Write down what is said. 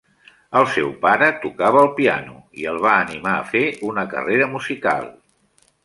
El seu pare tocava el piano i el va animar a fer una carrera musical.